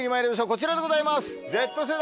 こちらでございます。